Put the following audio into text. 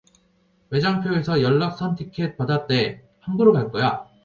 매장표에서 연락선티켓 받았데 항구로 갈거야